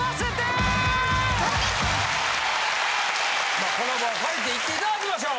まあこの場を借りて言っていただきましょう！